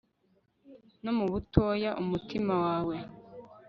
no mu butoya umutima wawe